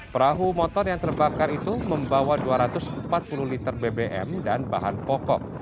perahu motor yang terbakar itu membawa dua ratus empat puluh liter bbm dan bahan pokok